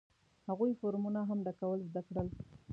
هغوی فورمونه هم ډکول زده کړل.